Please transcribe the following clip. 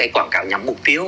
quảng cáo nhắm mục tiêu